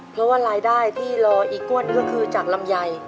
เพราะว่ารายได้ที่รออีกก้วนก็คือจากลำไย